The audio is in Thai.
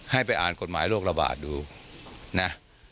ให้ไปอ่านกฎหมายโรคระบาดดูนะ